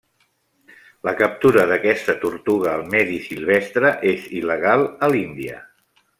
La captura d'aquesta tortuga al medi silvestre és il·legal a l'Índia.